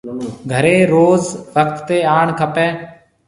گھريَ روز وقت تي آڻ کپيَ۔